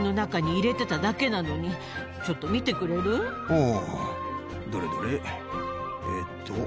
おぉどれどれえっと。